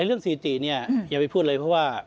เรื่องสถิติเนี่ยอย่าไปพูดเลยเพราะว่า